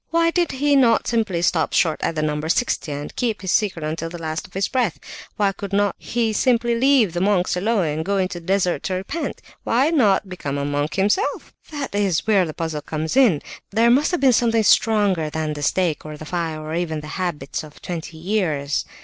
Why did he not simply stop short at the number sixty, and keep his secret until his last breath? Why could he not simply leave the monks alone, and go into the desert to repent? Or why not become a monk himself? That is where the puzzle comes in! There must have been something stronger than the stake or the fire, or even than the habits of twenty years!